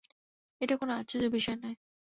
এটা কোন আশ্চর্যের বিষয় নয়।